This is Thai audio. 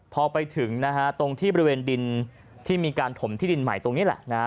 พอไปถึงนะฮะตรงที่บริเวณดินที่มีการถมที่ดินใหม่ตรงนี้แหละนะฮะ